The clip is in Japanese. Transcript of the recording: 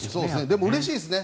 でもうれしいですね